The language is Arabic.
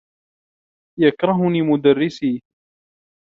يكرهني مدرّسي.